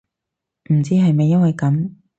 唔知係咪因為噉